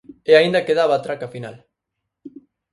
E aínda quedaba a traca final.